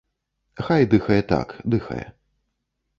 Хай дыхае так, дыхае.